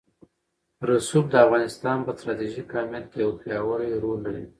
رسوب د افغانستان په ستراتیژیک اهمیت کې یو پیاوړی رول لري.